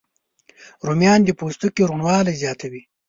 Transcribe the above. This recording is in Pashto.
رومیان د پوستکي روڼوالی زیاتوي